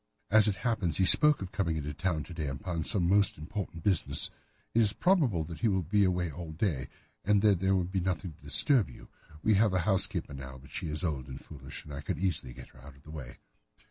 "As it happens, he spoke of coming into town to day upon some most important business. It is probable that he will be away all day, and that there would be nothing to disturb you. We have a housekeeper now, but she is old and foolish, and I could easily get her out of the way."